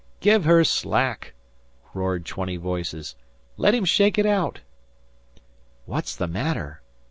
"Give her slack!" roared twenty voices. "Let him shake it out." "What's the matter?"